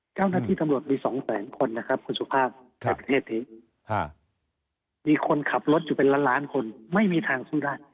เจ้าหน้าที่ตำรวจมีสองแสนคนนะครับมีคนขับรถอยู่เป็นล้านคนไม่มีทางสู้ได้